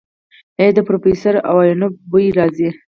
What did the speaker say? ای د پروفيسر ايوانوف بوئ راځي.